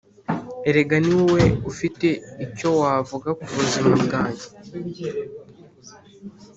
Erega niwowe ufite icyo wavuga kubuzima bwanjye